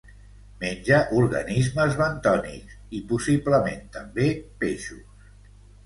Menja organismes bentònics i, possiblement també, peixos.